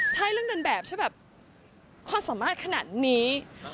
ใช่เรื่องเดินแบบใช่แบบความสามารถขนาดนี้